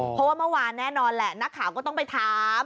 เพราะว่าเมื่อวานแน่นอนแหละนักข่าวก็ต้องไปถาม